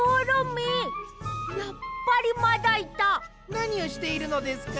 なにをしているのですか？